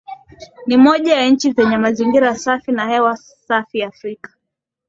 Ni moja ya nchi zenye mazingira safi na hewa safi Afrika